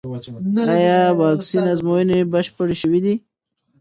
ایا د واکسین ازموینې بشپړې شوې دي؟